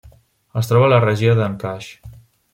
Es troba a la regió d'Ancash.